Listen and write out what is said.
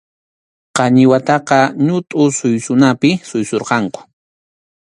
Qañiwataqa ñutʼu suysunapi suysurqayku.